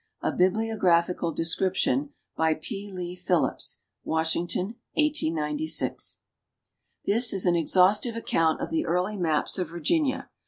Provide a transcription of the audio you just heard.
A Bibliographical Description by P. Lee Phillips. Washington, 189G. This is an exhaustive account of the early maps of Virginia.